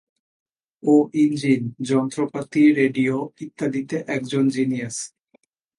ও engine, যন্ত্রপাতি, radio ইত্যাদিতে একজন জিনিয়াস।